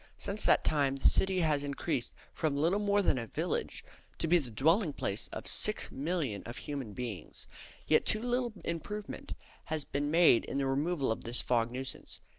Since that time the city has increased, from little more than a village, to be the dwelling place of six millions of human beings, yet too little improvement has been made in the removal of this fog nuisance.